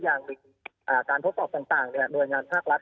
และการทดตรอบต่างแบบหน่วยงานภาครัฐ